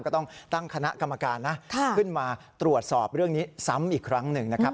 ก็ต้องตั้งคณะกรรมการนะขึ้นมาตรวจสอบเรื่องนี้ซ้ำอีกครั้งหนึ่งนะครับ